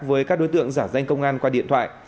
với các đối tượng giả danh công an qua điện thoại